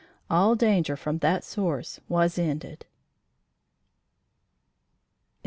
All danger from that source was ended.